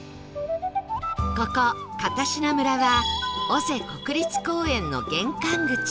ここ片品村は尾瀬国立公園の玄関口